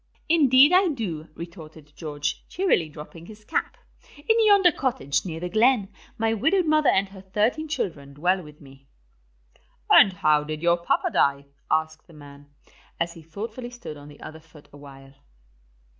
"Indeed I do," retorted George, cheerily dropping his cap. "In yonder cottage, near the glen, my widowed mother and her thirteen children dwell with me." "And how did your papa die?" asked the man, as he thoughtfully stood on the other foot awhile.